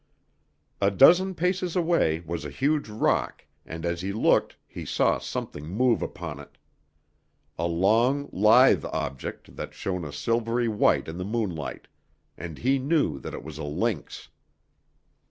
A dozen paces away was a huge rock and as he looked he saw something move upon it, a long, lithe object that shone a silvery white in the moonlight, and he knew that it was a lynx.